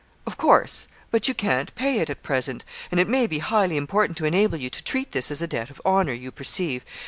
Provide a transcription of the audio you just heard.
'Of course; but you can't pay it at present, and it may be highly important to enable you to treat this as a debt of honour, you perceive.